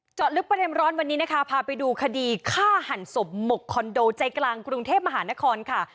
จองลึกประเด็นร้อนวันนี้นะฮะพาไปดูคดีคะหั่นส่มหมกคอนโดจัยกรังกรุงเทพฯมหานครค่ะ